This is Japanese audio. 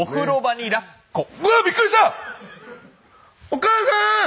お母さん！